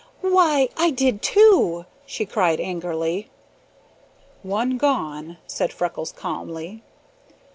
"Why, I did too!" she cried angrily. "One gone," said Freckles calmly.